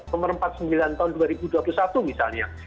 pemerempat sembilan tahun dua ribu dua puluh satu misalnya